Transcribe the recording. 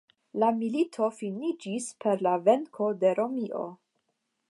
La milito finiĝis per la venko de Romio.